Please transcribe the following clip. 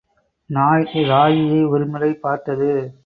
நாய் ராகியை ஒருமுறை பார்த்தது.